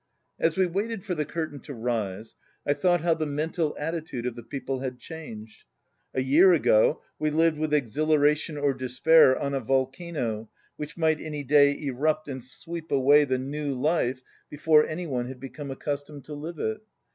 As we waited for the curtain to rise, I thought how the mental attitude of the people had changed. A year ago, we lived with exhilaration or despair on a volcano which might any day erupt and sweep away the new life before any one had become accustomed to live it.